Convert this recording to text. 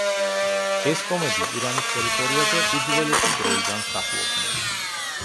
ეს ტომები ირანის ტერიტორიაზე უძველესი დროიდან სახლობდნენ.